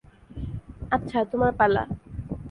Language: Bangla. আচ্ছা, তোমার পালা।